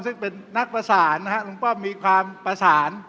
ซึ่งเป็นนักประสานนะฮะลุงป้อมมีความประสาน